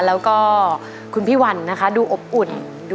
แล้วก็คุณพี่วันนะคะดูอบอุ่น